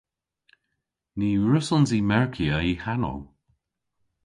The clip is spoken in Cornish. Ny wrussons i merkya y hanow.